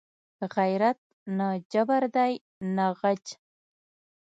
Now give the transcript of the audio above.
غیرت نه جبر دی نه غچ